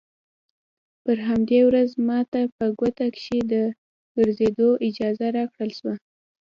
پر همدې ورځ ما ته په کوټه کښې د ګرځېدو اجازه راکړل سوه.